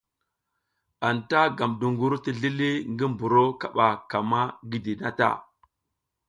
Anta gam duƞgur ti zlili ngi mburo kaɓa ka ma gidi na ta.